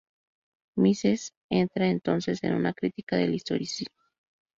Mises entra entonces en una crítica del historicismo.